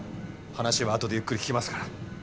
話はあとでゆっくり聞きますから。